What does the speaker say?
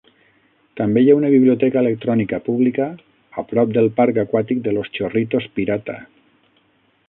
També hi ha una biblioteca electrònica pública a prop del parc aquàtic de Los Chorritos Pirata.